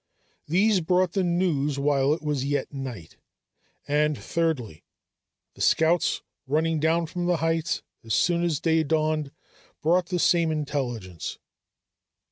These brought the news while it was yet night; and, thirdly, the scouts running down from the heights as soon as day dawned, brought the same intelligence.